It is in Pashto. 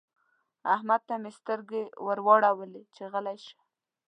احمد ته مې سترګې ور واړولې چې غلی شه.